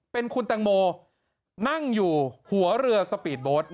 เป็นคุณแตงโมนั่งอยู่หัวเรือสปีดโบสต์